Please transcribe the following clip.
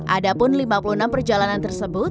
ada pun lima puluh enam perjalanan tersebut